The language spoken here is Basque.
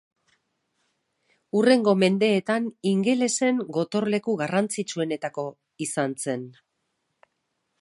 Hurrengo mendeetan ingelesen gotorleku garrantzitsuenetako izan zen.